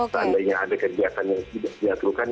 seandainya ada kegiatan yang tidak diaturkan